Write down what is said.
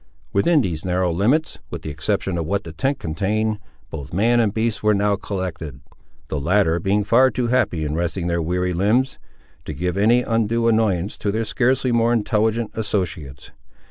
Within these narrow limits (with the exception of what the tent contained), both man and beast were now collected; the latter being far too happy in resting their weary limbs, to give any undue annoyance to their scarcely more intelligent associates.